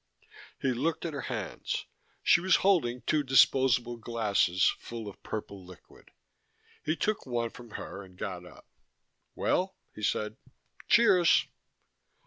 He looked at her hands. She was holding two disposable glasses, full of purple liquid. He took one from her and got up. "Well," he said, "cheers."